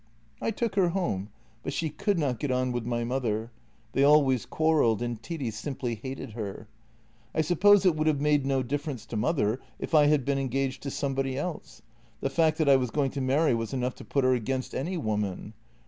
" I took her home, but she could not get on with my mother. They always quarrelled, and Titti simply hated her. I sup pose it would have made no difference to mother if I had been engaged to somebody else; the fact that I was going to marry was enough to put her against any woman.